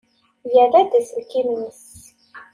Yerra-d aselkim-nnes.